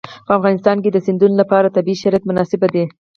په افغانستان کې د سیندونه لپاره طبیعي شرایط مناسب دي.